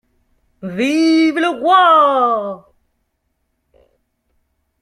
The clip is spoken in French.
Vive le Roi!